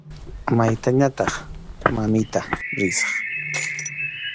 Maytañataq, mamita, risaq.